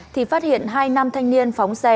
thì phát hiện hai nam thanh niên phóng xe